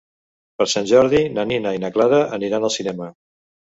Per Sant Jordi na Nina i na Clara aniran al cinema.